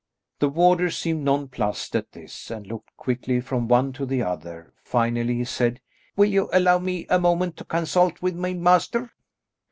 The warder seemed nonplussed at this and looked quickly from one to the other; finally he said, "Will you allow me a moment to consult with my master?"